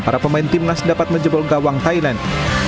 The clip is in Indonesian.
para pemain tim nas dapat menjebol gawang thailand